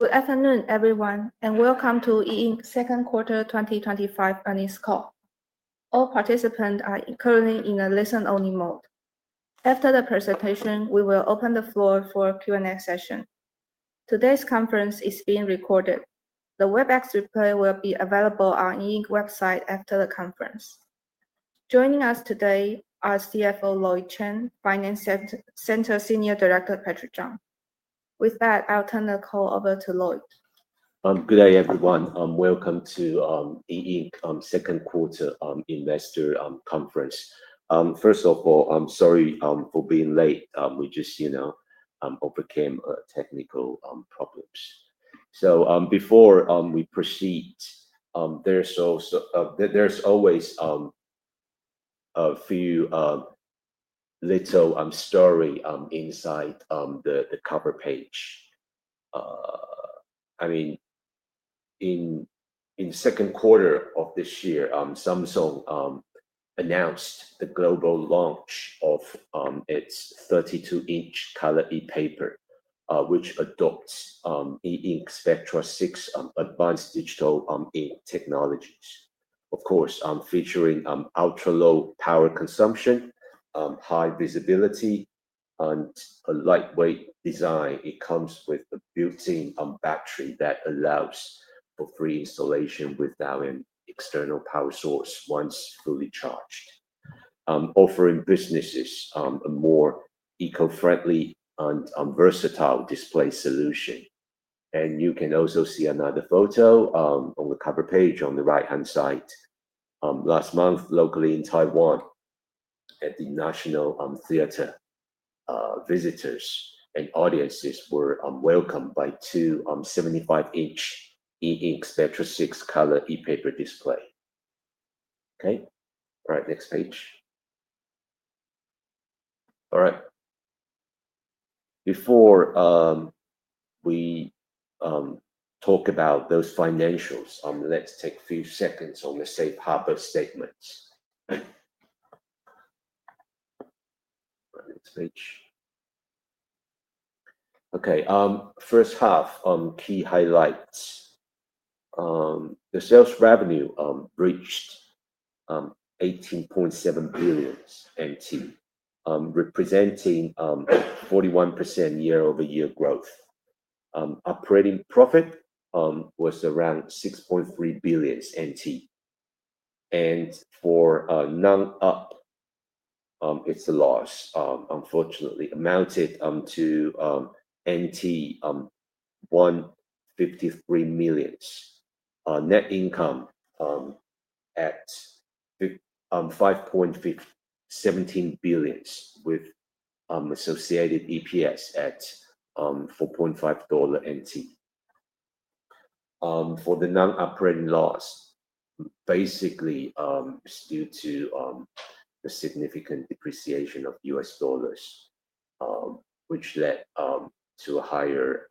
Good afternoon, everyone, and welcome to E Ink's Second Quarter 2025 Earnings Call. All participants are currently in a listen-only mode. After the presentation, we will open the floor for a Q&A session. Today's conference is being recorded. The Webex replay will be available on the E Ink website after the conference. Joining us today are CFO Lloyd Chen and Finance Center Senior Director Patrick Chang. With that, I'll turn the call over to Lloyd. Good day, everyone. Welcome to E Ink Second Quarter Investor Conference. First of all, I'm sorry for being late. We just overcame technical problems. Before we proceed, there's always a few little stories inside the cover page. In the second quarter of this year, Samsung announced the global launch of its 32-inch color E-Paper, which adopts E Ink Spectra 6 advanced digital ink technologies. Of course, featuring ultra-low power consumption, high visibility, and a lightweight design, it comes with a built-in battery that allows for free installation without an external power source once fully charged, offering businesses a more eco-friendly and versatile display solution. You can also see another photo on the cover page on the right-hand side. Last month, locally in Taiwan, at the National Theater, visitors and audiences were welcomed by two 75-inch E Ink Spectra 6 color ePaper displays. All right, next page. Before we talk about those financials, let's take a few seconds on the safe harbor statements. Next page. First half, key highlights. The sales revenue reached 18.7 billion NT, representing 41% year-over-year growth. Operating profit was around 6.3 billion NT. For non-op, it's a loss, unfortunately, amounted to 153 million. Net income at 5.17 billion, with associated EPS at 4.5 dollar. For the non-operating loss, basically due to the significant depreciation of U.S. dollars, which led to a higher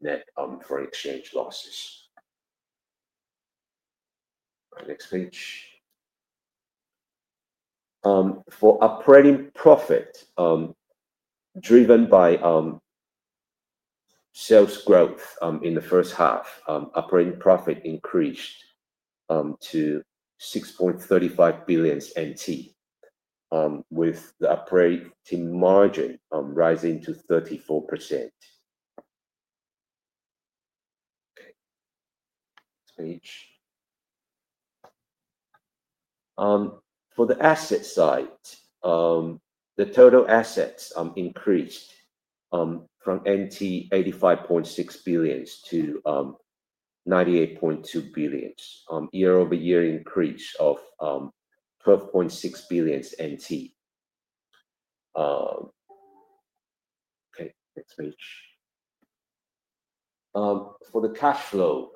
net foreign exchange losses. Next page. For operating profit, driven by sales growth in the first half, operating profit increased to 6.35 billion NT, with the operating margin rising to 34%. Next page. For the asset side, the total assets increased from 85.6 billion to 98.2 billion, year-over-year increase of 12.6 billion NT. Next page. For the cash flow,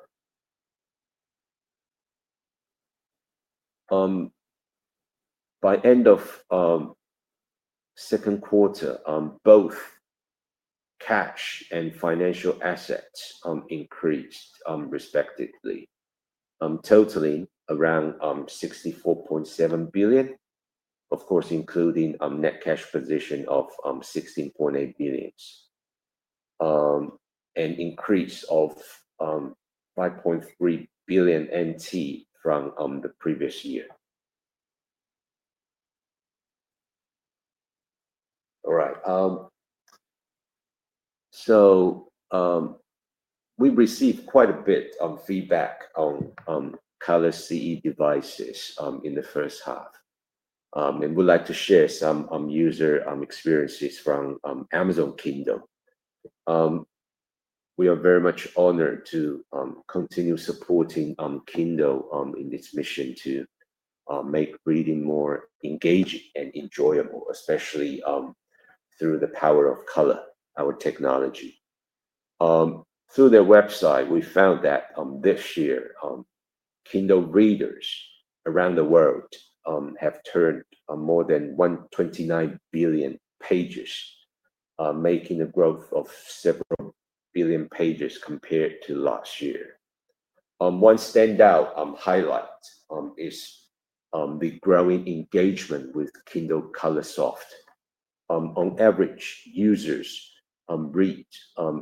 by the end of the second quarter, both cash and financial assets increased respectively, totaling around 64.7 billion, including net cash position of 16.8 billion, and an increase of 5.3 billion NT from the previous year. All right. We've received quite a bit of feedback on color CE devices in the first half. We'd like to share some user experiences from Amazon Kindle. We are very much honored to continue supporting Kindle in its mission to make reading more engaging and enjoyable, especially through the power of color, our technology. Through their website, we found that this year, Kindle readers around the world have turned more than 129 billion pages, making a growth of several billion pages compared to last year. One standout highlight is the growing engagement with Kindle Colorsoft. On average, users read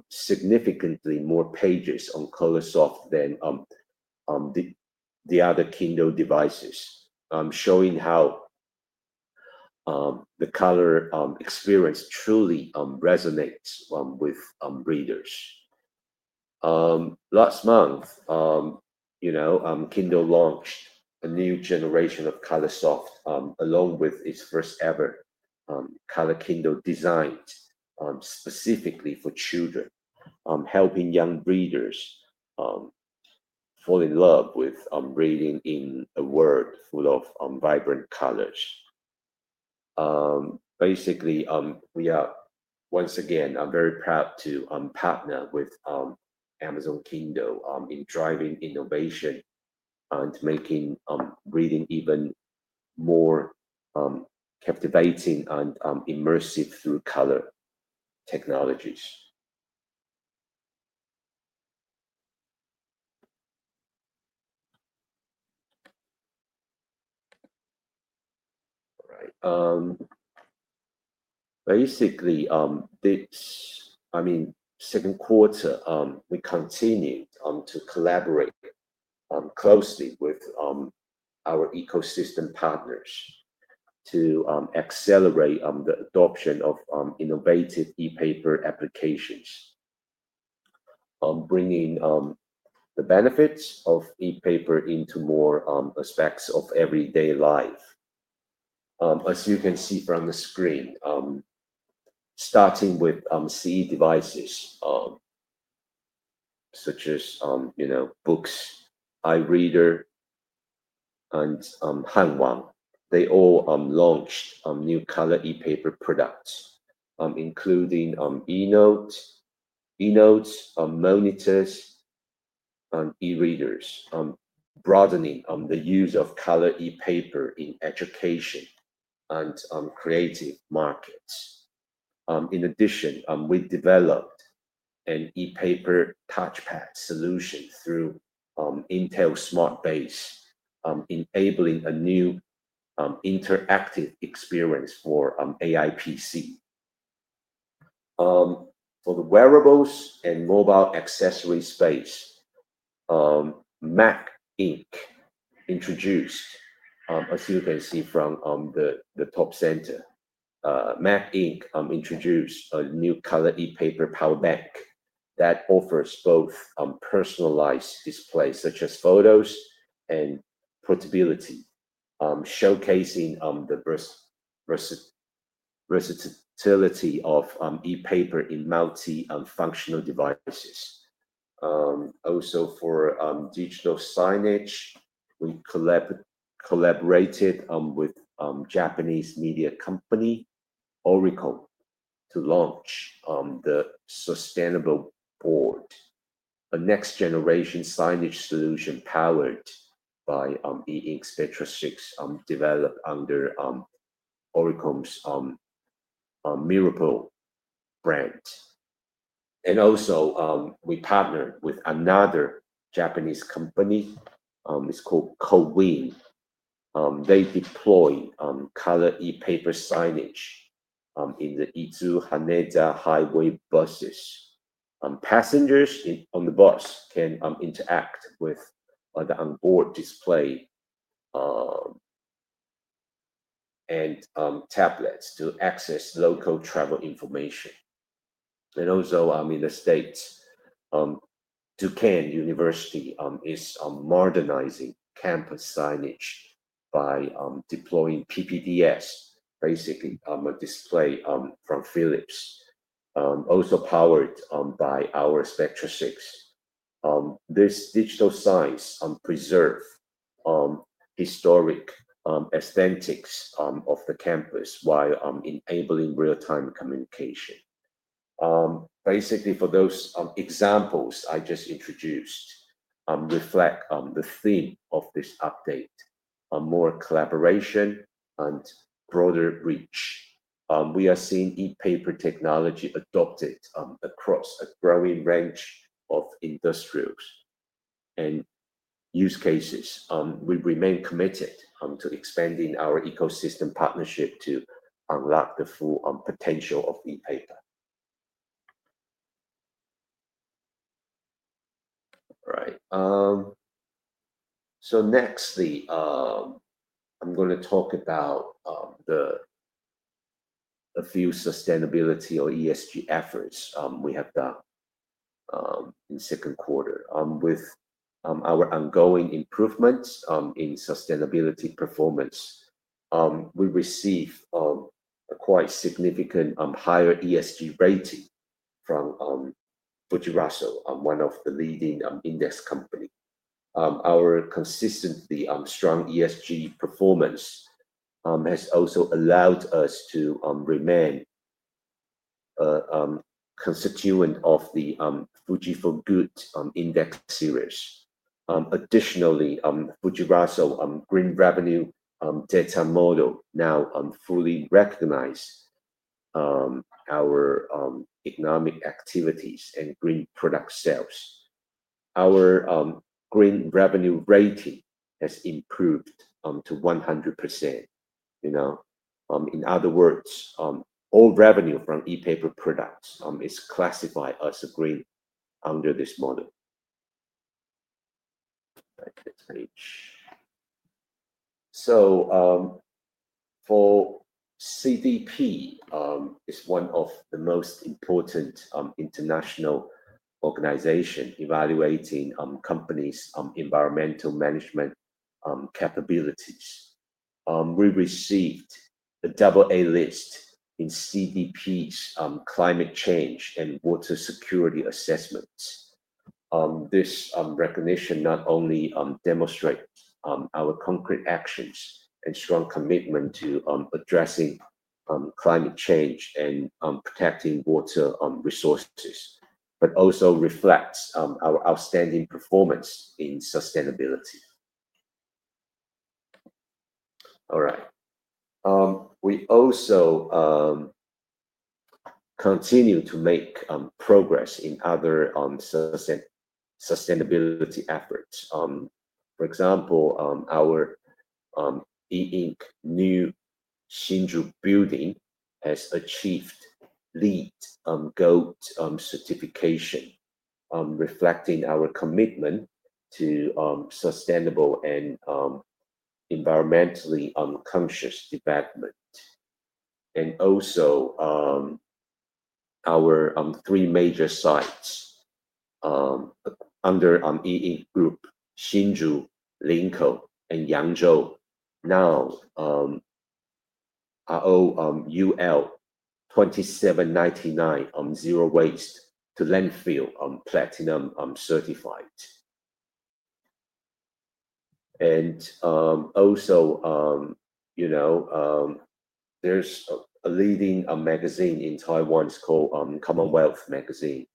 significantly more pages on Colorsoft than the other Kindle devices, showing how the color experience truly resonates with readers. Last month, Kindle launched a new generation of Colorsoft, along with its first-ever color Kindle designed specifically for children, helping young readers fall in love with reading in a world full of vibrant colors. Basically, we are, once again, very proud to partner with Amazon Kindle in driving innovation and making reading even more captivating and immersive through color technologies. This second quarter, we continue to collaborate closely with our ecosystem partners to accelerate the adoption of innovative ePaper applications, bringing the benefits of ePaper into more aspects of everyday life. As you can see from the screen, starting with CE devices such as Books, iReader, and Hanwang, they all launched new color ePaper products, including eNotes, monitors, and eReaders, broadening the use of color ePaper in education and creative markets. In addition, we developed an ePaper Touchpad Solution through Intel Smart Base, enabling a new interactive experience for AI PC. For the wearables and mobile accessories space, MagInk introduced, as you can see from the top center, MagInk introduced a new color ePaper power bank that offers both personalized displays such as photos and portability, showcasing the versatility of ePaper in multi-functional devices. For digital signage, we collaborated with Japanese media company Oricom to launch the Sustainable Board, a next-generation signage solution powered by E Ink Spectra 6, developed under Oricom's Mirapale brand. We partnered with another Japanese company called Kowei. They deploy color ePaper signage in the Izu Haneda Highway buses. Passengers on the bus can interact with the onboard display and tablets to access local travel information. In the States, Duquesne University is modernizing campus signage by deploying PPDS, basically a display from Philips, also powered by our Spectra 6. These digital signs preserve historic aesthetics of the campus while enabling real-time communication. Basically, for those examples I just introduced, reflect the theme of this update: more collaboration and broader reach. We are seeing ePaper technology adopted across a growing range of industries and use cases. We remain committed to expanding our ecosystem partnership to unlock the full potential of ePaper. All right. Next, I'm going to talk about a few sustainability or ESG efforts we have done in the second quarter. With our ongoing improvements in sustainability performance, we received a quite significant higher ESG rating from FTSE Russell, one of the leading index companies. Our consistently strong ESG performance has also allowed us to remain a constituent of the FTSE4Good index series. Additionally, FTSE Russell's green revenue data model now fully recognizes our economic activities and green product sales. Our green revenue rating has improved to 100%. In other words, all revenue from ePaper products is classified as green under this model. Next page. For CDP, it's one of the most important international organizations evaluating companies' environmental management capabilities. We received a AA list in CDP's climate change and water security assessments. This recognition not only demonstrates our concrete actions and strong commitment to addressing climate change and protecting water resources, but also reflects our outstanding performance in sustainability. We also continue to make progress in other sustainability efforts. For example, our E Ink new Hsinchu building has achieved LEED Gold certification, reflecting our commitment to sustainable and environmentally conscious development. Also, our three major sites under E Ink Group, Hsinchu, Linkou, and Yangzhou, now are all UL 2799 on zero waste to landfill on platinum certified. There is a leading magazine in Taiwan called Commonwealth Magazine.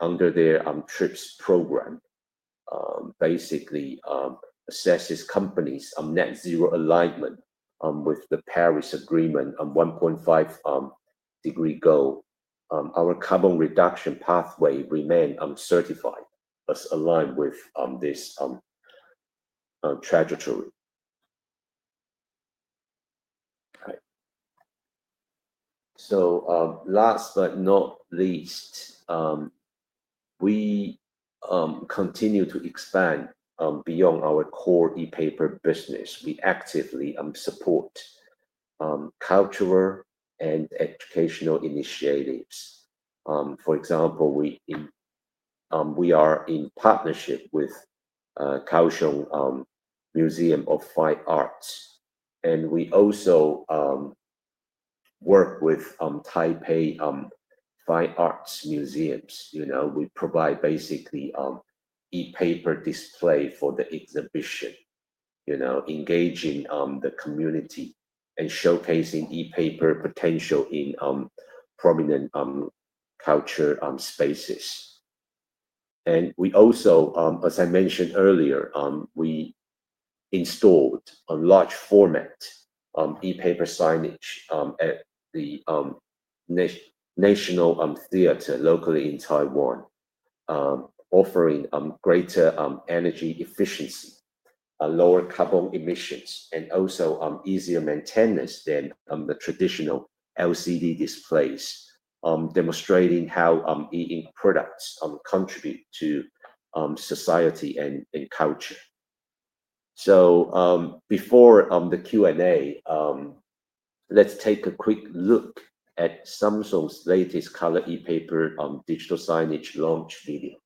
Under their TRIPS program, which basically assesses companies' net zero alignment with the Paris Agreement on 1.5-degree goal, our carbon reduction pathway remains uncertified as aligned with this trajectory. Last but not least, we continue to expand beyond our core ePaper business. We actively support cultural and educational initiatives. For example, we are in partnership with Kaohsiung Museum of Fine Arts. We also work with Taipei Fine Arts Museums. You know, we provide basically ePaper displays for the exhibition, engaging the community and showcasing ePaper potential in prominent culture spaces. We also, as I mentioned earlier, installed a large format ePaper signage at the National Theater locally in Taiwan, offering greater energy efficiency, lower carbon emissions, and also easier maintenance than the traditional LCD displays, demonstrating how E Ink products contribute to society and culture. Before the Q&A, let's take a quick look at Samsung's latest color E-Paper digital signage launch video.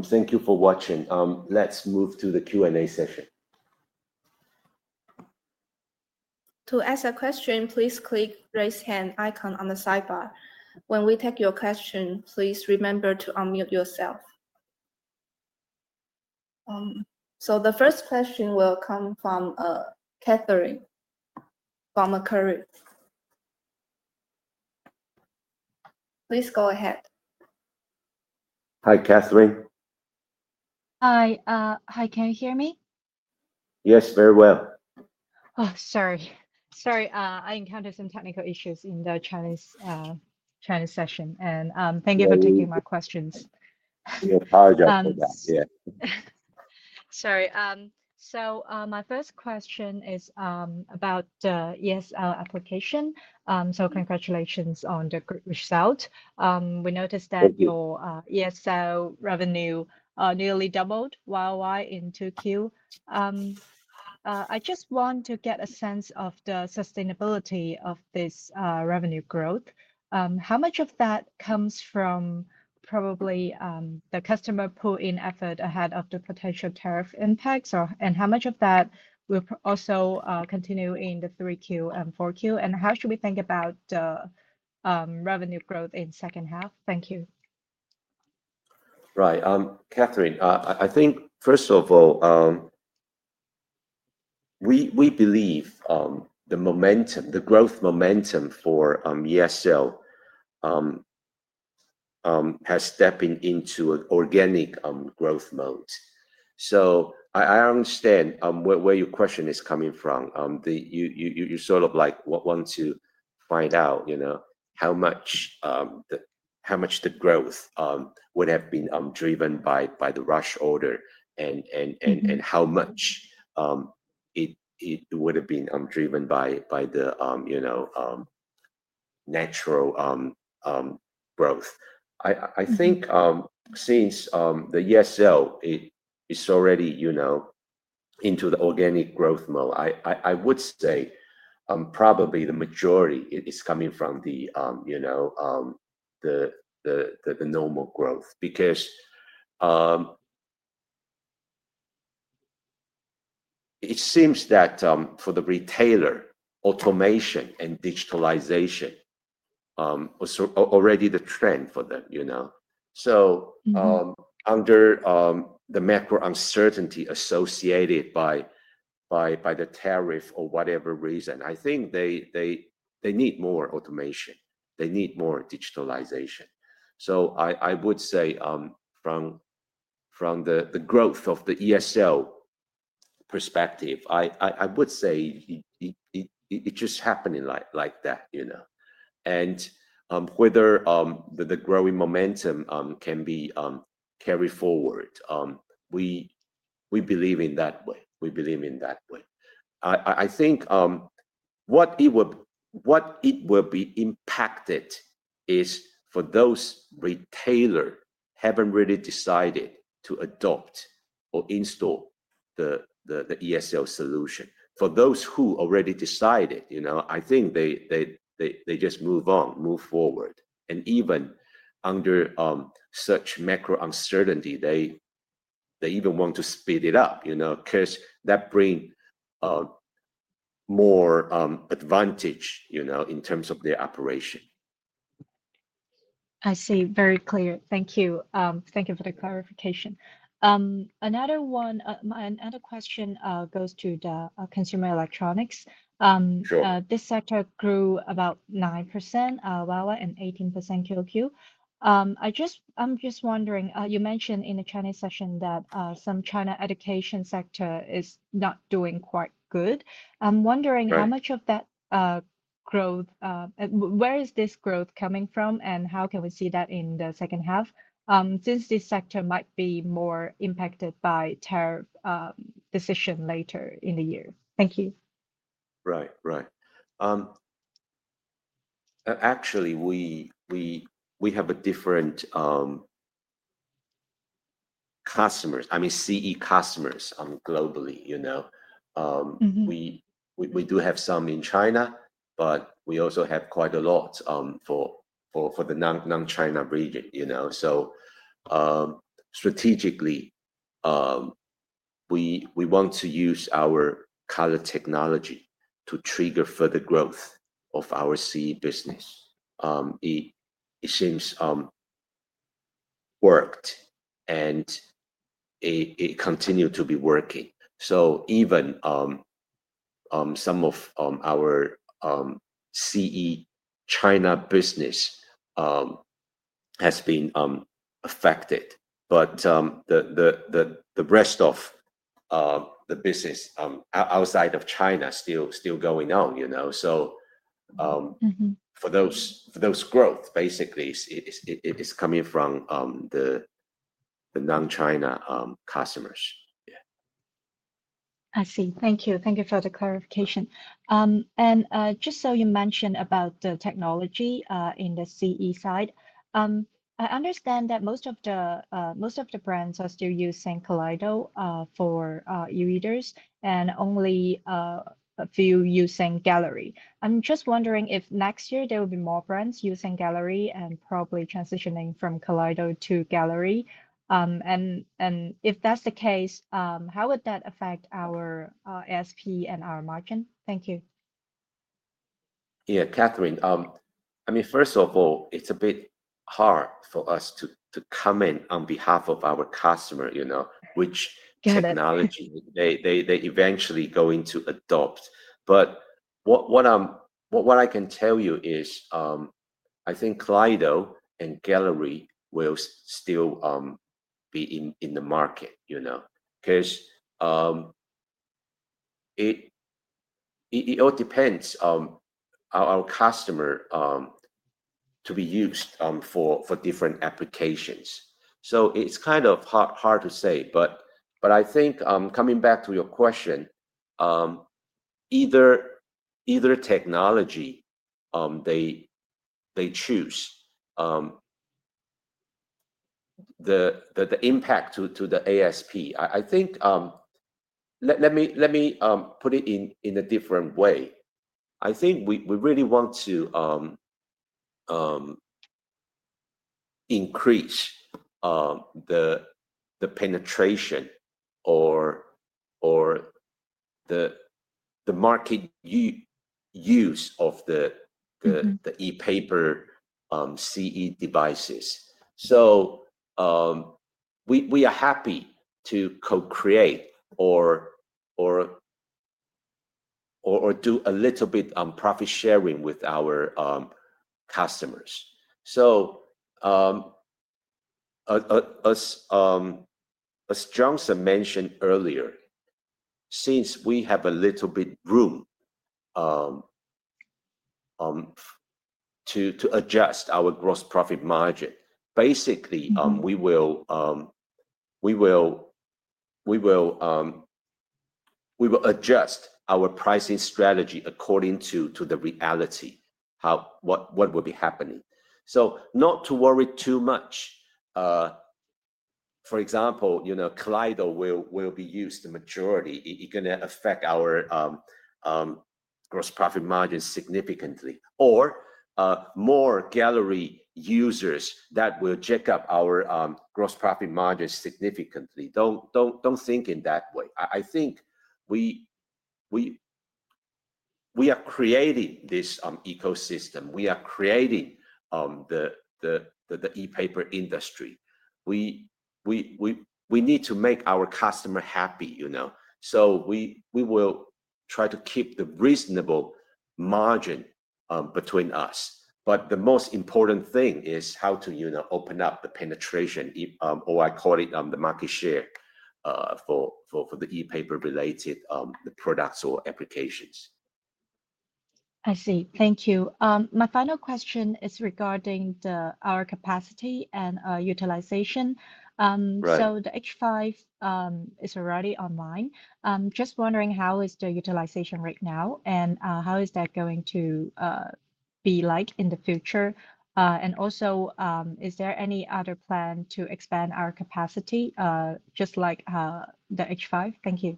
All right. Thank you for watching. Let's move to the Q&A session. To ask a question, please click the raise hand icon on the sidebar. When we take your question, please remember to unmute yourself. The first question will come from Katherine from Macquarie. Please go ahead. Hi, Katherine. Hi. Can you hear me? Yes, very well. Sorry, I encountered some technical issues in the Chinese session. Thank you for taking my questions. Yeah, apologize for that. My first question is about the ESL application. Congratulations on the good result. We noticed that your ESL revenue nearly doubled YoY in 2Q. I just want to get a sense of the sustainability of this revenue growth. How much of that comes from probably the customer pull-in effort ahead of the potential tariff impacts? How much of that will also continue in 3Q and 4Q? How should we think about the revenue growth in the second half? Thank you. Right. Katherine, I think, first of all, we believe the growth momentum for ESL has stepped into an organic growth mode. I understand where your question is coming from. You sort of want to find out, you know, how much the growth would have been driven by the rush order and how much it would have been driven by the natural growth. I think since the ESL is already into the organic growth mode, I would say probably the majority is coming from the normal growth because it seems that for the retailer, automation and digitalization was already the trend for them. Under the macro uncertainty associated by the tariff or whatever reason, I think they need more automation. They need more digitalization. I would say from the growth of the ESL perspective, it's just happening like that. Whether the growing momentum can be carried forward, we believe in that way. We believe in that way. I think what will be impacted is for those retailers who haven't really decided to adopt or install the ESL solution. For those who already decided, I think they just move on, move forward. Even under such macro uncertainty, they even want to speed it up because that brings more advantage in terms of their operation. I see. Very clear. Thank you. Thank you for the clarification. Another question goes to the consumer electronics. This sector grew about 9% YoY and 18% QoQ. I'm just wondering, you mentioned in the Chinese session that some China education sector is not doing quite good. I'm wondering how much of that growth, where is this growth coming from, and how can we see that in the second half since this sector might be more impacted by tariff decisions later in the year? Thank you. Right. Actually, we have different customers, I mean, CE customers globally. We do have some in China, but we also have quite a lot for the non-China region. Strategically, we want to use our color technology to trigger further growth of our CE business. It seems it worked, and it continues to be working. Even though some of our CE China business has been affected, the rest of the business outside of China is still going on. For those growths, basically, it is coming from the non-China customers. I see. Thank you. Thank you for the clarification. You mentioned about the technology in the CE side. I understand that most of the brands are still using Kaleido for eReaders and only a few using Gallery. I'm just wondering if next year there will be more brands using Gallery and probably transitioning from Kaleido to Gallery. If that's the case, how would that affect our ASP and our margin? Thank you. Yeah, Katherine. First of all, it's a bit hard for us to comment on behalf of our customer, you know, which technology they eventually are going to adopt. What I can tell you is I think Kaleido and Gallery will still be in the market, you know, because it all depends on our customer to be used for different applications. It's kind of hard to say. Coming back to your question, either technology they choose, the impact to the ASP, let me put it in a different way. We really want to increase the penetration or the market use of the ePaper CE devices. We are happy to co-create or do a little bit of profit sharing with our customers. As Johnson mentioned earlier, since we have a little bit of room to adjust our gross profit margin, basically, we will adjust our pricing strategy according to the reality, what will be happening. Not to worry too much. For example, Kaleido will be used the majority. It's going to affect our gross profit margin significantly. Or more Gallery users that will jack up our gross profit margin significantly. Don't think in that way. We are creating this ecosystem. We are creating the ePaper industry. We need to make our customer happy, you know. We will try to keep the reasonable margin between us. The most important thing is how to open up the penetration, or I call it the market share for the ePaper-related products or applications. I see. Thank you. My final question is regarding our capacity and utilization. The H5 is already online. Just wondering, how is the utilization right now, and how is that going to be like in the future? Also, is there any other plan to expand our capacity just like the H5? Thank you.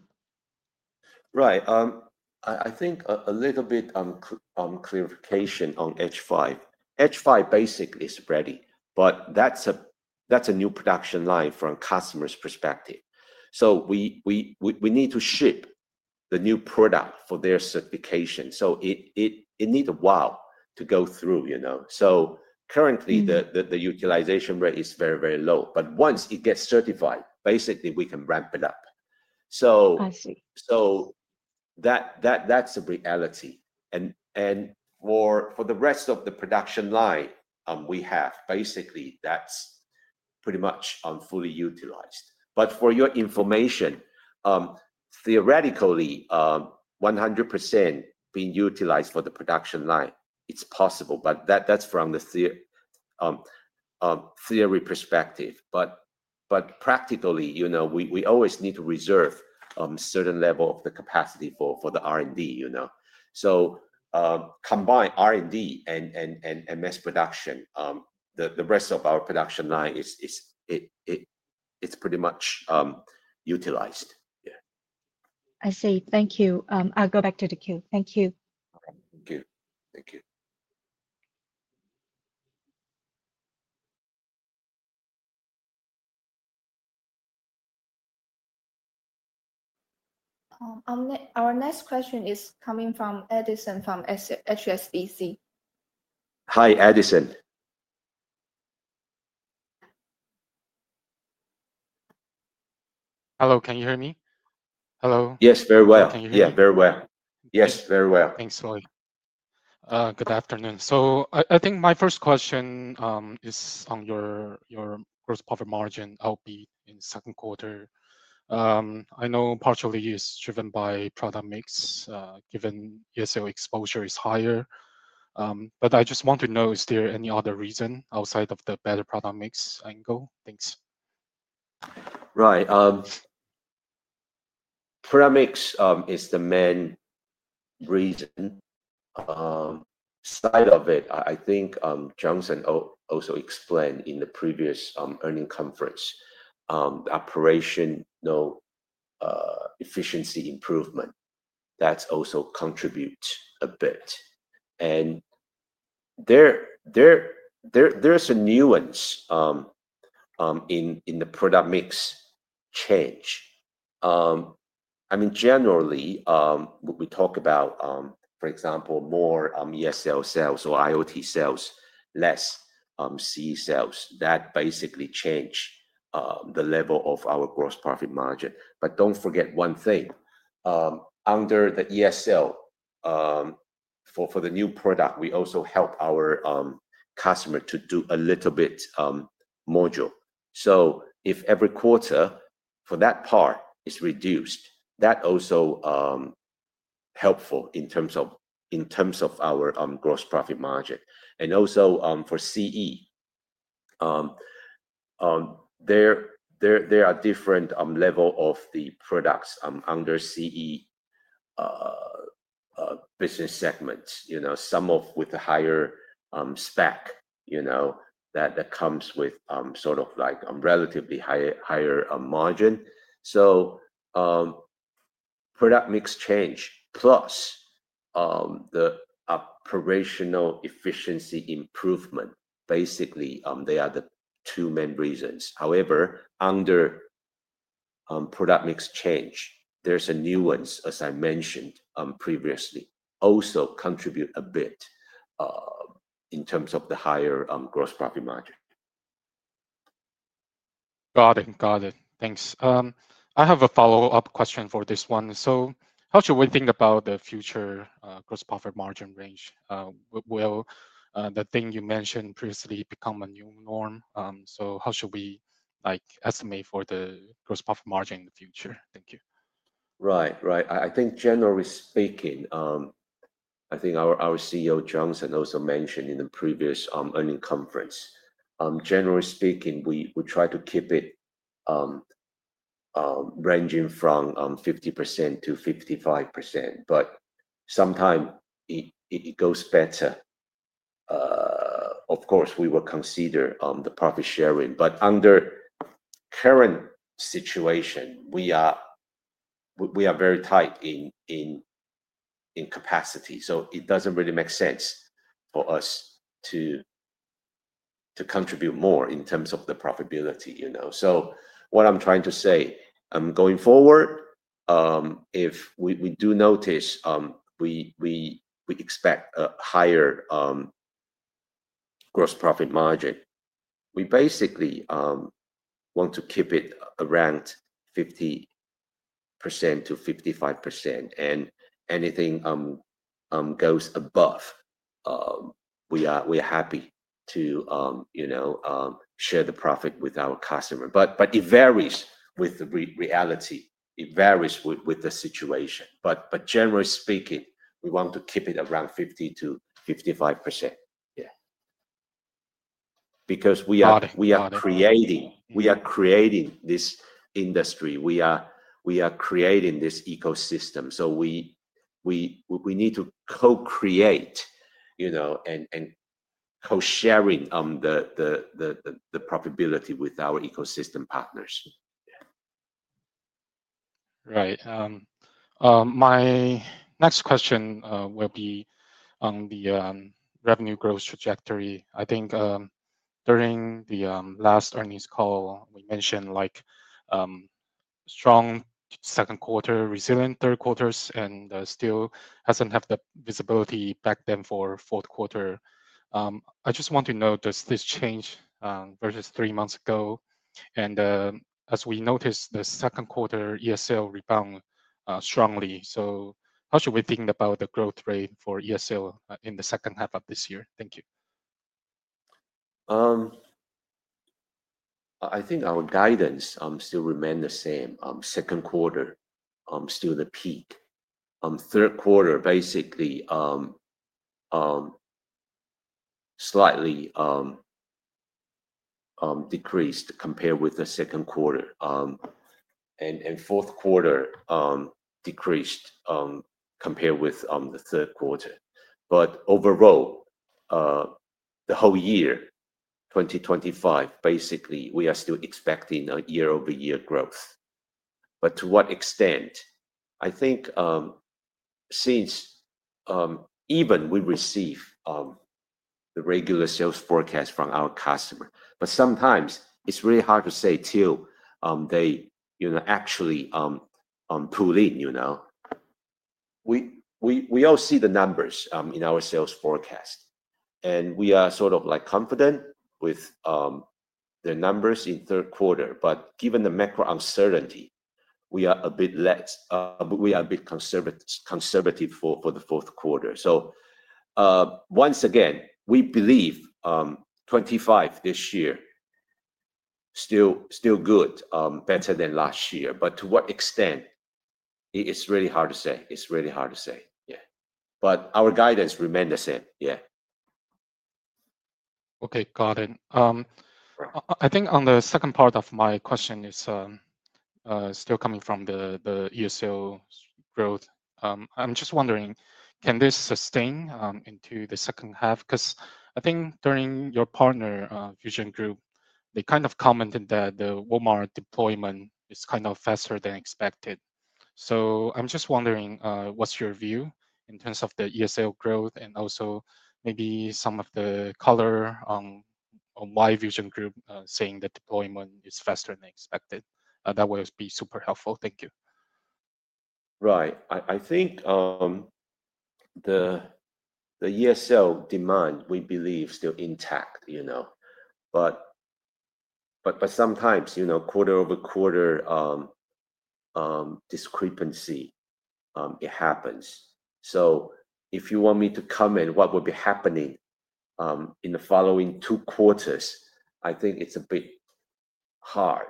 Right. I think a little bit on clarification on H5. H5 basically is ready, but that's a new production line from a customer's perspective. We need to ship the new product for their certification. It needs a while to go through, you know. Currently, the utilization rate is very, very low. Once it gets certified, basically, we can ramp it up. I see. That's a reality. For the rest of the production line we have, that's pretty much fully utilized. For your information, theoretically, 100% being utilized for the production line is possible. That's from the theory perspective. Practically, you know, we always need to reserve a certain level of the capacity for the R&D, you know. Combined R&D and mass production, the rest of our production line is pretty much utilized. I see. Thank you. I'll go back to the queue. Thank you. Okay, thank you. Thank you. Our next question is coming from Edison from HSBC. Hi, Edison. Hello, can you hear me? Hello? Yes, very well. Yes, very well. Yes, very well. Thanks, Lloyd. Good afternoon. I think my first question is on your gross profit margin L/B in the second quarter. I know partially it's driven by product mix given ESL exposure is higher. I just want to know, is there any other reason outside of the better product mix angle? Thanks. Right. Product mix is the main reason. Side of it, I think Johnson also explained in the previous earnings conference, the operational efficiency improvement, that also contributes a bit. There's a nuance in the product mix change. I mean, generally, we talk about, for example, more ESL sales or IoT sales, less CE sales. That basically changes the level of our gross profit margin. Do not forget one thing. Under the ESL for the new product, we also help our customer to do a little bit module. If every quarter for that part is reduced, that's also helpful in terms of our gross profit margin. Also, for CE, there are different levels of the products under CE business segments, some with a higher spec that comes with sort of like a relatively higher margin. Product mix change plus the operational efficiency improvement, basically, they are the two main reasons. However, under product mix change, there's a nuance, as I mentioned previously, also contributes a bit in terms of the higher gross profit margin. Got it. Thanks. I have a follow-up question for this one. How should we think about the future gross profit margin range? Will the thing you mentioned previously become a new norm? How should we estimate for the gross profit margin in the future? Thank you. Right. I think generally speaking, I think our CEO, Johnson, also mentioned in the previous earning conference, generally speaking, we try to keep it ranging from 50%-55%. Sometimes it goes better. Of course, we will consider the profit sharing. Under the current situation, we are very tight in capacity. It doesn't really make sense for us to contribute more in terms of the profitability, you know. What I'm trying to say, going forward, if we do notice we expect a higher gross profit margin, we basically want to keep it around 50%-55%. Anything goes above, we are happy to, you know, share the profit with our customer. It varies with the reality. It varies with the situation. Generally speaking, we want to keep it around 50%-55%. Yeah. We are creating this industry. We are creating this ecosystem. We need to co-create, you know, and co-sharing the profitability with our ecosystem partners. Right. My next question will be on the revenue growth trajectory. I think during the last earnings call, we mentioned strong second quarter, resilient third quarters, and still hasn't had the visibility back then for fourth quarter. I just want to know, does this change versus three months ago? As we noticed, the second quarter ESL rebounded strongly. How should we think about the growth rate for ESL in the second half of this year? Thank you. I think our guidance still remains the same. Second quarter is still the peak. Third quarter basically slightly decreased compared with the second quarter, and fourth quarter decreased compared with the third quarter. Overall, the whole year 2025, basically, we are still expecting a year-over-year growth. To what extent? I think since even we receive the regular sales forecast from our customer, sometimes it's really hard to say till they actually pull in. We all see the numbers in our sales forecast, and we are sort of like confident with the numbers in third quarter. Given the macro uncertainty, we are a bit less, but we are a bit conservative for the fourth quarter. Once again, we believe 2025 this year is still good, better than last year. To what extent? It's really hard to say. It's really hard to say. Our guidance remains the same. Okay. Got it. I think on the second part of my question, it is still coming from the ESL growth. I'm just wondering, can this sustain into the second half? I think during your partner VusionGroup, they kind of commented that the Walmart deployment is kind of faster than expected. I'm just wondering, what's your view in terms of the ESL growth and also maybe some of the color on why VusionGroup is saying the deployment is faster than expected? That would be super helpful. Thank you. Right. I think the ESL demand we believe is still intact. Sometimes, quarter-over-quarter discrepancy happens. If you want me to comment what will be happening in the following two quarters, I think it's a bit hard.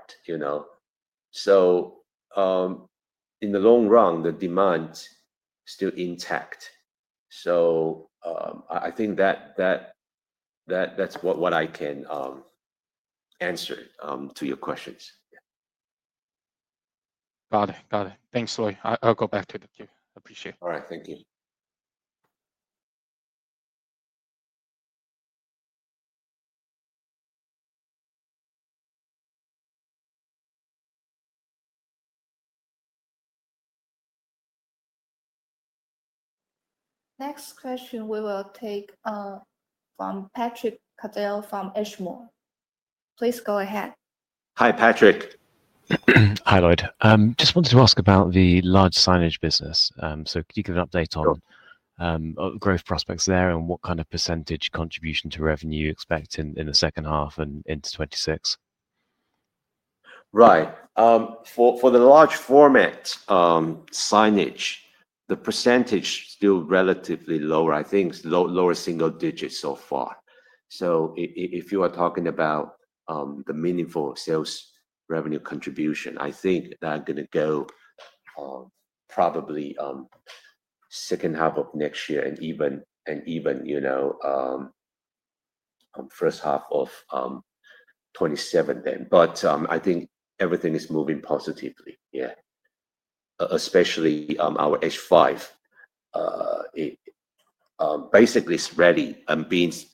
In the long run, the demand is still intact. I think that's what I can answer to your questions. Got it. Got it. Thanks, Lloyd. I'll go back to the queue. I appreciate it. All right. Thank you. Next question we will take from Patrick Cadell from Ashmore. Please go ahead. Hi, Patrick. Hi, Lloyd. Just wanted to ask about the large signage business. Could you give an update on growth prospects there and what kind of percentage contribution to revenue you expect in the second half and into 2026? Right. For the large format signage, the percentage is still relatively low. I think it's lower single digits so far. If you are talking about the meaningful sales revenue contribution, I think that's going to go probably the second half of next year and even, you know, the first half of 2027. I think everything is moving positively. Yeah. Especially our H5, basically, it's ready and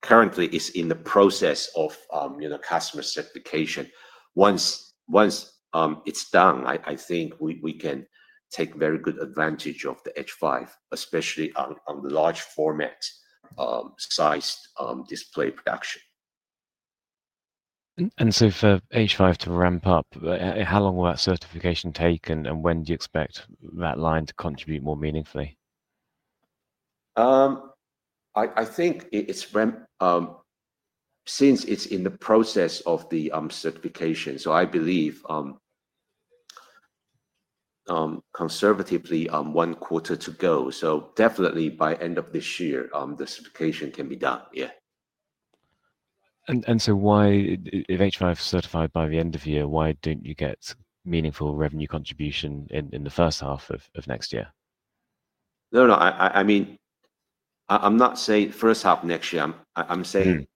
currently is in the process of customer certification. Once it's done, I think we can take very good advantage of the H5, especially on the large format sized display production. For H5 to ramp up, how long will that certification take, and when do you expect that line to contribute more meaningfully? I think it's in the process of the certification. I believe conservatively one quarter to go. Definitely by the end of this year, the certification can be done. If H5 is certified by the end of the year, why don't you get meaningful revenue contribution in the first half of next year? I'm not saying first half of next year. I'm saying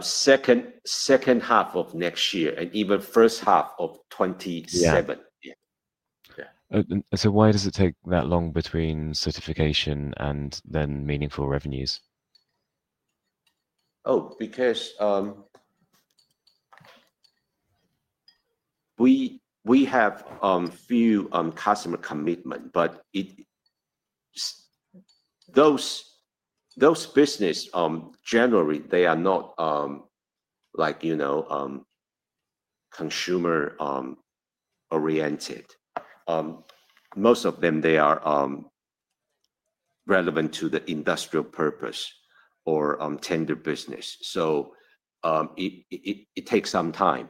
second half of next year and even first half of 2027. Yeah. Why does it take that long between certification and then meaningful revenues? We have a few customer commitments, but those businesses, generally, they are not, you know, consumer-oriented. Most of them, they are relevant to the industrial purpose or tender business. It takes some time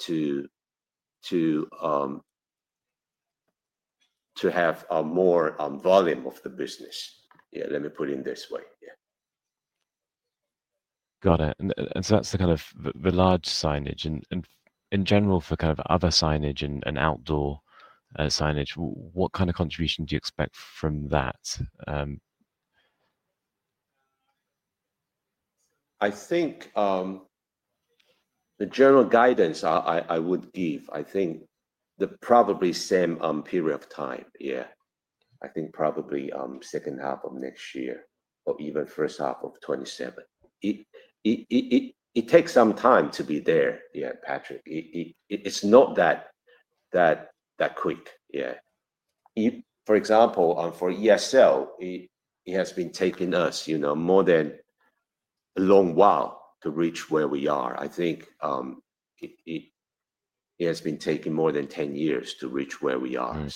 to have more volume of the business. Let me put it in this way. Got it. That's the kind of the large signage. In general, for other signage and outdoor signage, what kind of contribution do you expect from that? I think the general guidance I would give is probably the same period of time. I think probably the second half of next year or even the first half of 2027. It takes some time to be there, Patrick. It's not that quick. For example, for ESL, it has been taking us more than a long while to reach where we are. I think it has been taking more than 10 years to reach where we are.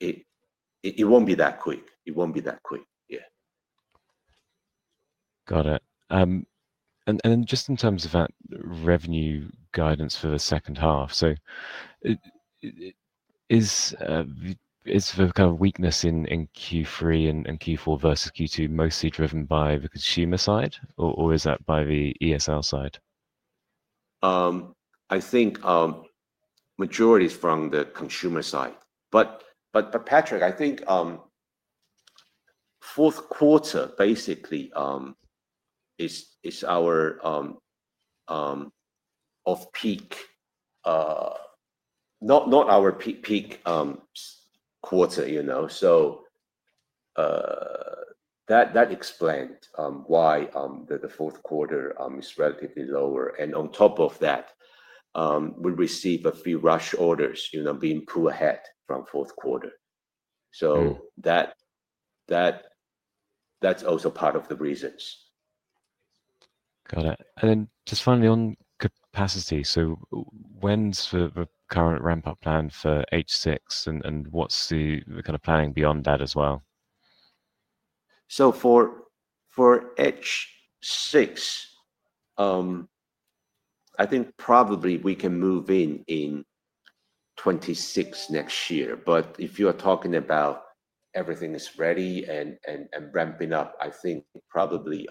It won't be that quick. Got it. In terms of that revenue guidance for the second half, is the kind of weakness in Q3 and Q4 versus Q2 mostly driven by the consumer side, or is that by the ESL side? I think the majority is from the consumer side. Patrick, I think fourth quarter basically is our peak, not our peak quarter, you know. That explains why the fourth quarter is relatively lower. On top of that, we receive a few rush orders, you know, being pulled ahead from fourth quarter. That's also part of the reasons. Got it. Finally, on capacity, when's the current ramp-up plan for H6, and what's the kind of planning beyond that as well? For H6, I think probably we can move in in 2026 next year. If you are talking about everything is ready and ramping up, I think probably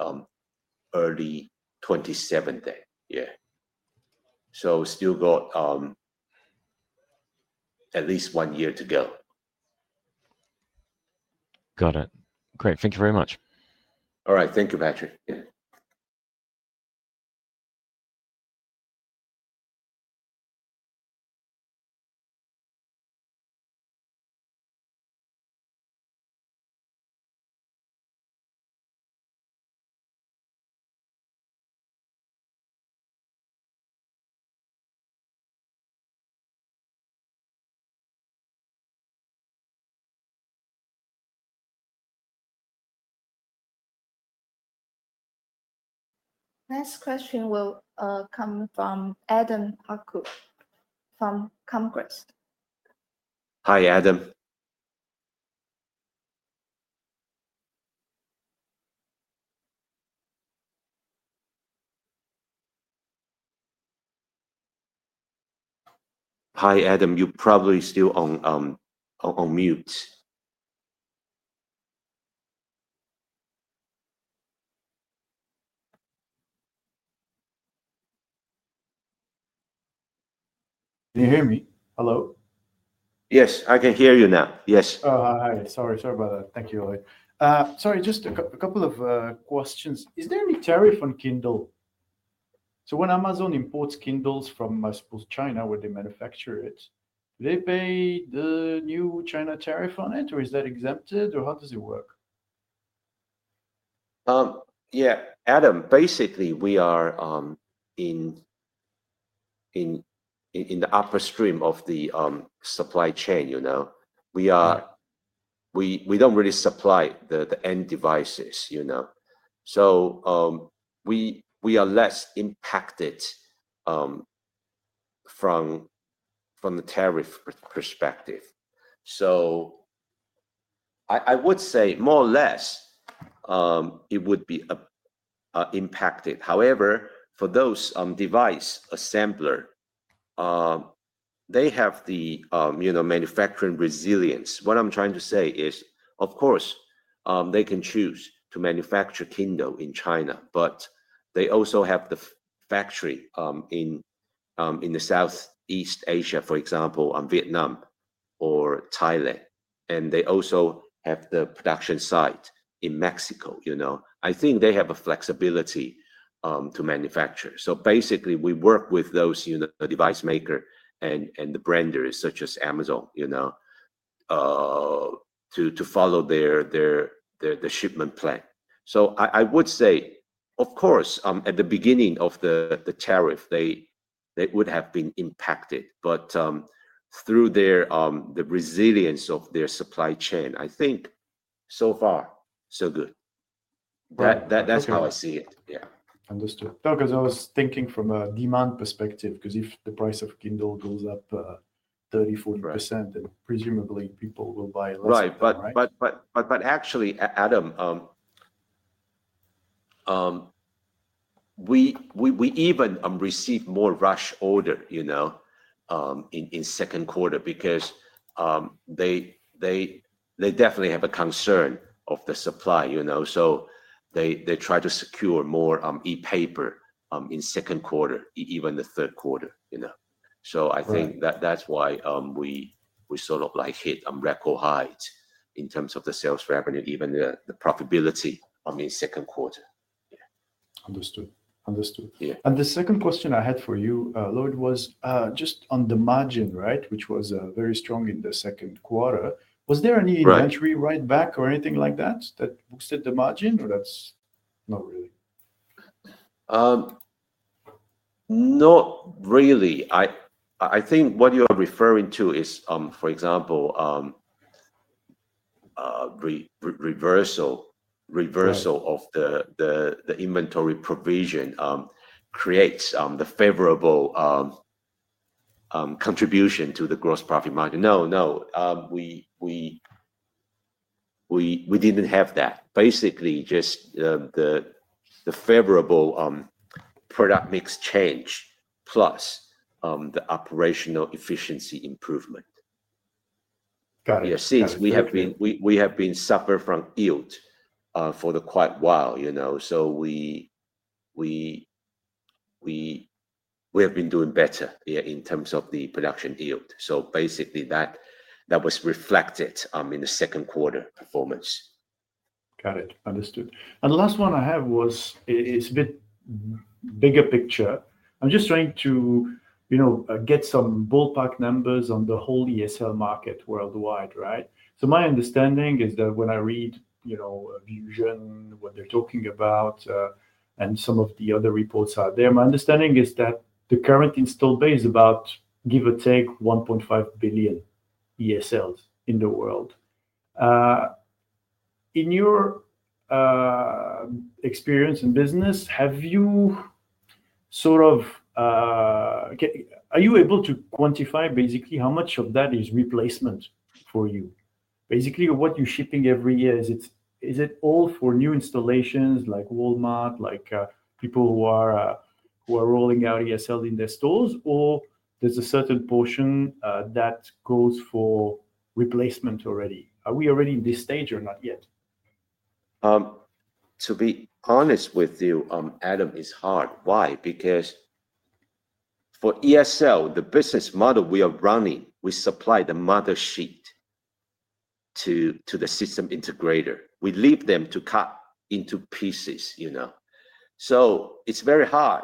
early 2027 then. Yeah, we still got at least one year to go. Got it. Great. Thank you very much. All right. Thank you, Patrick. Next question will come from Adam Hakkou from Comgest. Hi, Adam. You're probably still on mute. Can you hear me? Hello? Yes, I can hear you now. Yes. Oh, hi. Sorry about that. Thank you, Lloyd. Sorry. Just a couple of questions. Is there any tariff on Kindle? When Amazon imports Kindles from, I suppose, China, where they manufacture it, do they pay the new China tariff on it, or is that exempted, or how does it work? Yeah. Adam, basically, we are in the upstream of the supply chain, you know. We don't really supply the end devices, you know, so we are less impacted from the tariff perspective. I would say more or less, it would be impacted. However, for those device assemblers, they have the, you know, manufacturing resilience. What I'm trying to say is, of course, they can choose to manufacture Kindle in China, but they also have the factory in Southeast Asia, for example, Vietnam or Thailand. They also have the production site in Mexico, you know. I think they have a flexibility to manufacture. Basically, we work with those device makers and the branders such as Amazon, you know, to follow their shipment plan. I would say, of course, at the beginning of the tariff, they would have been impacted. Through the resilience of their supply chain, I think so far, so good. That's how I see it. Yeah. Understood. No, because I was thinking from a demand perspective, because if the price of Kindle goes up 30%, 40%, then presumably people will buy less. Right. Actually, Adam, we even received more rush orders in the second quarter because they definitely have a concern of the supply. They try to secure more ePaper in the second quarter, even the third quarter. I think that's why we sort of hit record highs in terms of the sales revenue, even the profitability in the second quarter. Understood. The second question I had for you, Lloyd, was just on the margin, right, which was very strong in the second quarter. Was there any inventory write-back or anything like that that boosted the margin, or that's not really? Not really. I think what you're referring to is, for example, reversal of the inventory provision creates the favorable contribution to the gross profit margin. No, we didn't have that. Basically, just the favorable product mix change plus the operational efficiency improvement. Got it. Yeah, since we have been suffering from yield for quite a while, you know, we have been doing better in terms of the production yield. That was reflected in the second quarter performance. Got it. Understood. The last one I had was it's a bit bigger picture. I'm just trying to, you know, get some ballpark numbers on the whole ESL market worldwide, right? My understanding is that when I read, you know, a Vusion, what they're talking about, and some of the other reports out there, my understanding is that the current installed base is about, give or take, 1.5 billion ESLs in the world. In your experience in business, are you able to quantify basically how much of that is replacement for you? Basically, what you're shipping every year, is it all for new installations like Walmart, like people who are rolling out ESL in their stores, or is there a certain portion that goes for replacement already? Are we already in this stage or not yet? To be honest with you, Adam, it's hard. Why? Because for ESL, the business model we are running, we supply the mother sheet to the system integrator. We leave them to cut into pieces, you know. It's very hard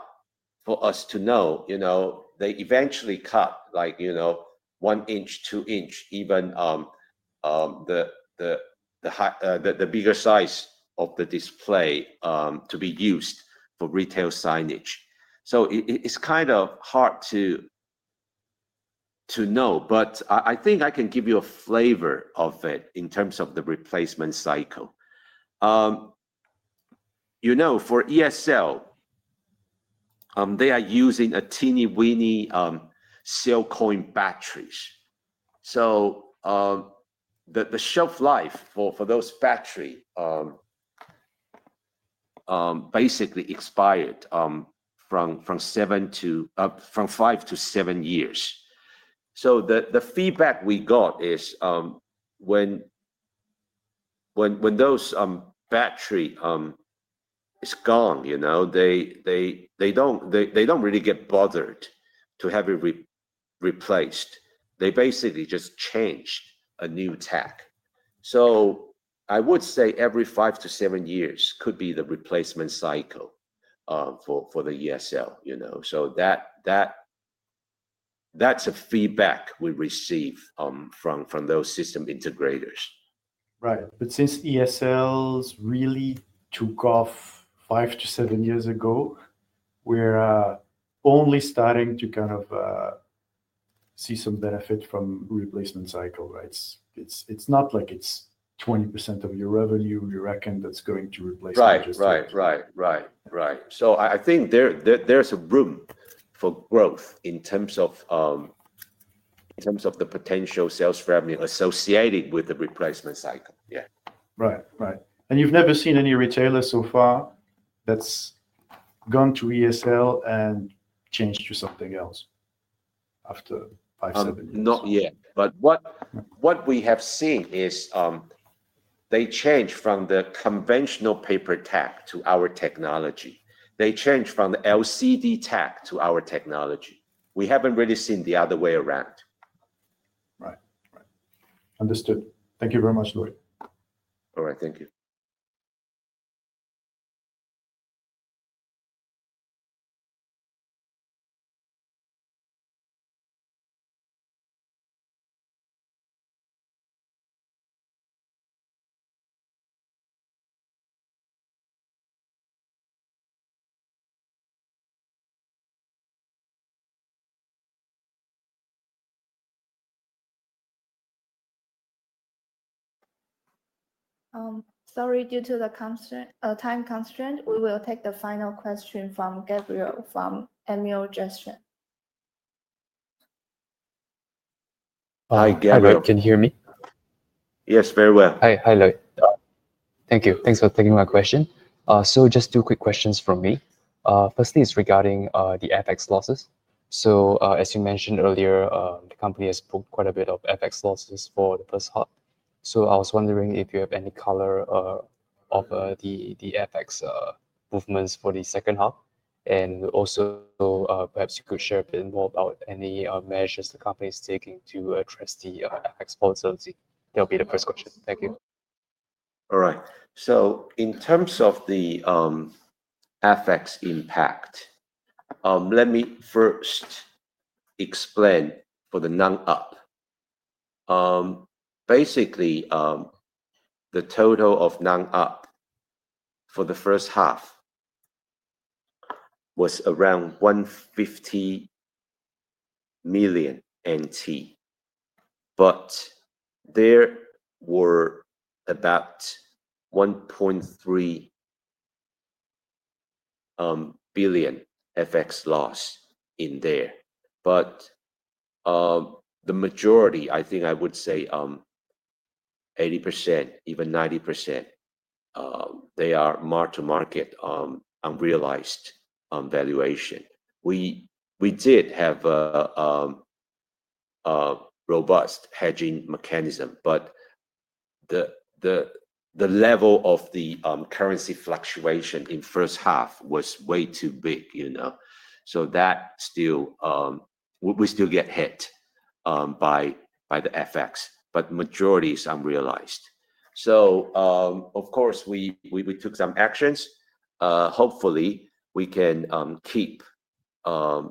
for us to know, you know, they eventually cut like, you know, one inch, two inch, even the bigger size of the display to be used for retail signage. It's kind of hard to know. I think I can give you a flavor of it in terms of the replacement cycle. You know, for ESL, they are using a teeny weeny silicone batteries. The shelf life for those batteries basically expired from five to seven years. The feedback we got is when those batteries are gone, you know, they don't really get bothered to have it replaced. They basically just change a new tech. I would say every five to seven years could be the replacement cycle for the ESL, you know. That's the feedback we receive from those system integrators. Right. Since ESLs really took off five to seven years ago, we're only starting to kind of see some benefit from the replacement cycle, right? It's not like it's 20% of your revenue, you reckon, that's going to replace it. I think there's room for growth in terms of the potential sales revenue associated with the replacement cycle. Right. Right. You've never seen any retailers so far that's gone to ESL and changed to something else after five to seven years? What we have seen is they change from the conventional paper tech to our technology. They change from the LCD tech to our technology. We haven't really seen the other way around. Right. Right. Understood. Thank you very much, Lloyd. All right. Thank you. Sorry. Due to the time constraint, we will take the final question from Gabriel from EmailGestion. Hi, Gabriel. Can you hear me? Yes, very well. Hi, Lloyd. Thank you. Thanks for taking my question. Just two quick questions from me. Firstly, it's regarding the FX losses. As you mentioned earlier, the company has quite a bit of FX losses for the first half. I was wondering if you have any color on the FX movements for the second half. Also, perhaps you could share a bit more about any measures the company is taking to address the FX volatility. That would be the first question. Thank you. All right. In terms of the FX impact, let me first explain for the non-op. Basically, the total of non-op for the first half was around 150 million NT. There were about 1.3 billion FX loss in there. The majority, I think I would say 80%, even 90%, are marked to market unrealized valuation. We did have a robust hedging mechanism, but the level of the currency fluctuation in the first half was way too big. We still get hit by the FX, but the majority is unrealized. Of course, we took some actions. Hopefully, we can keep a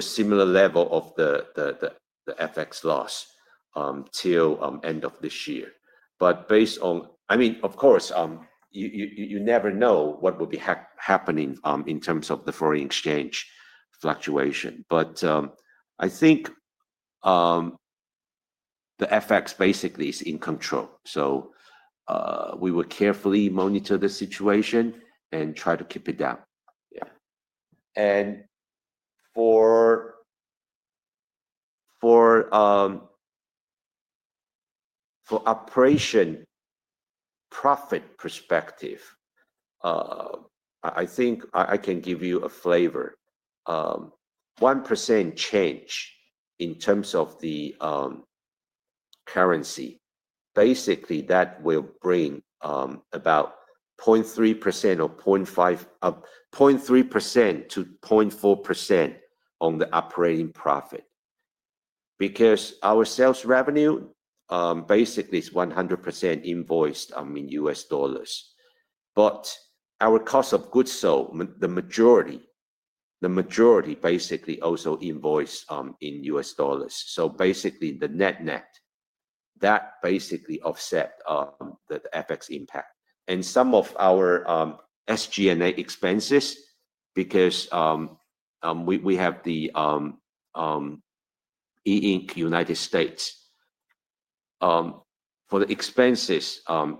similar level of the FX loss till the end of this year. Based on, I mean, of course, you never know what will be happening in terms of the foreign exchange fluctuation. I think the FX basically is in control. We will carefully monitor the situation and try to keep it down. For operating profit perspective, I think I can give you a flavor. 1% change in terms of the currency basically will bring about 0.3% or 0.3%-0.4% on the operating profit because our sales revenue basically is 100% invoiced in U.S. dollars. Our cost of goods sold, the majority, basically also invoiced in U.S. dollars. The net-net basically offsets the FX impact. Some of our SG&A expenses, because we have the E Ink United States, for the expenses that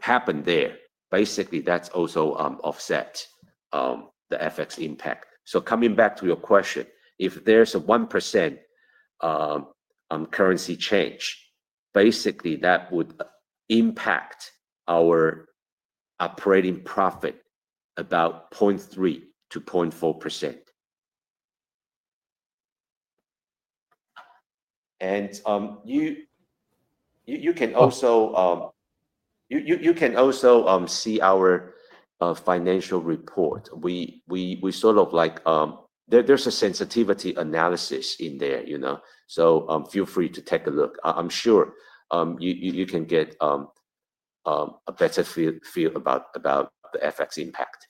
happen there, that's also offsetting the FX impact. Coming back to your question, if there's a 1% currency change, that would impact our operating profit about 0.3%-0.4%. You can also see our financial report. We sort of have a sensitivity analysis in there. Feel free to take a look. I'm sure you can get a better feel about the FX impact.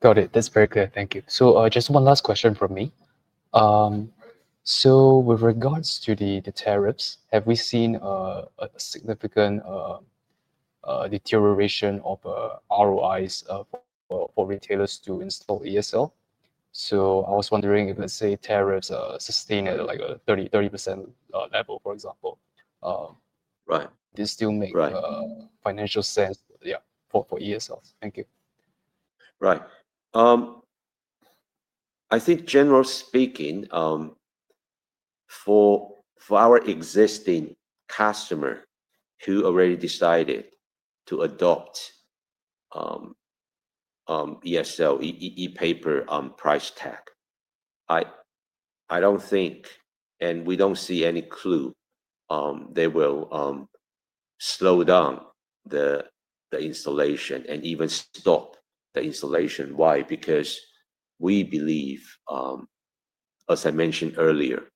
Got it. That's very clear. Thank you. Just one last question from me. With regards to the tariffs, have we seen a significant deterioration of ROIs for retailers to install ESL? I was wondering, let's say tariffs are sustained at a 30% level, for example. Right. Does it still make financial sense for ESLs? Thank you. Right. I think, generally speaking, for our existing customers who already decided to adopt ESL ePaper price tech, I do not think, and we do not see any clue, they will slow down the installation or even stop the installation. Why? Because we believe, as I mentioned earlier,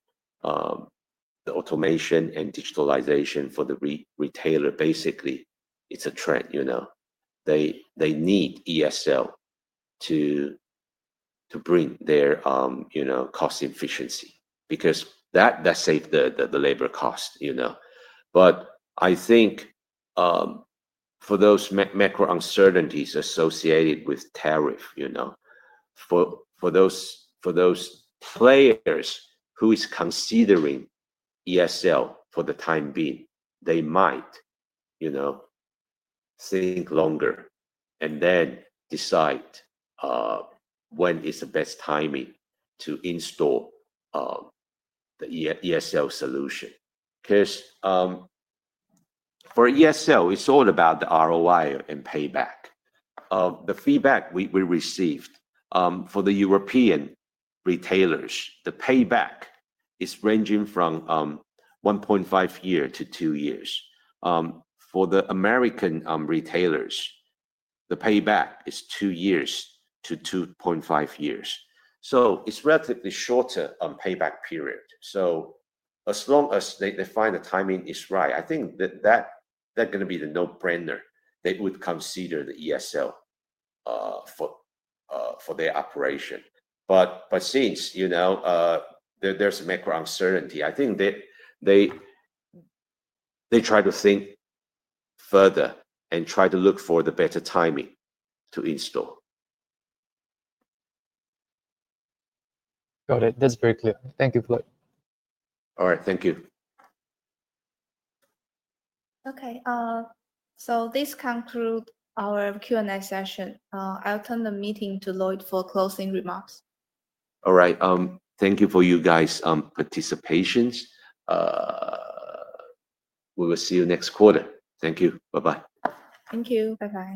the automation and digitalization for the retailer, basically, it is a trend. They need ESL to bring their cost efficiency because that saves the labor cost. I think for those macro uncertainties associated with tariff, for those players who are considering ESL for the time being, they might think longer and then decide when is the best timing to install the ESL solution. For ESL, it is all about the ROI and payback. The feedback we received for the European retailers, the payback is ranging from 1.5 years-2 years. For the American retailers, the payback is 2 years-2.5 years. It is a relatively shorter payback period. As long as they find the timing is right, I think that is going to be a no-brainer. They would consider the ESL for their operation. Since there is a macro uncertainty, I think they try to think further and try to look for the better timing to install. Got it. That's very clear. Thank you, Lloyd. All right, thank you. Okay, this concludes our Q&A session. I'll turn the meeting to Lloyd for closing remarks. All right. Thank you for your participation. We will see you next quarter. Thank you. Bye-bye. Thank you. Bye-bye.